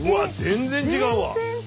全然違う！